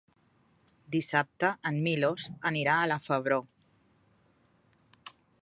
Dissabte en Milos anirà a la Febró.